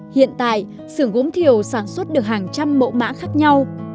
hiện tại sườn gốm thiều sản xuất được hàng trăm mẫu mã khác nhau